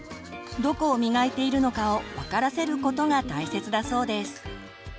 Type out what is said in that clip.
どこを磨いているのかを分からせることが大切だそうです。